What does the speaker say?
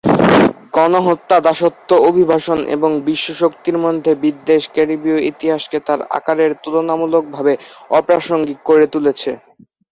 গণহত্যা, দাসত্ব, অভিবাসন এবং বিশ্ব শক্তির মধ্যে বিদ্বেষ ক্যারিবীয় ইতিহাসকে তার আকারের তুলনামূলকভাবে অপ্রাসঙ্গিক করে তুলেছে।